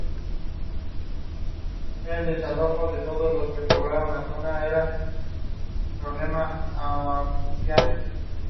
His father and his grandfather were Sufi elders.